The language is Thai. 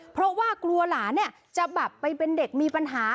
เพราะว่ากลัวหลานเนี่ยจะแบบไปเป็นเด็กมีปัญหา